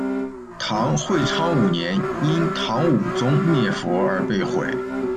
唐会昌五年因唐武宗灭佛而被毁。